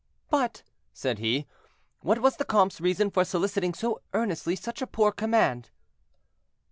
"But," said he, "what was the comte's reason for soliciting so earnestly such a poor command?"